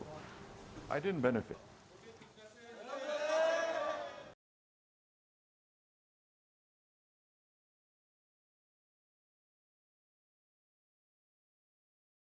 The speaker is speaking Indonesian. najib terangkan di kediaman terakhir di jawa tengah dan menghadapi dakwaan terkait transaksi mencurigakan di satu mdb src